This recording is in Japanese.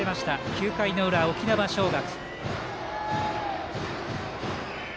９回の裏、沖縄尚学。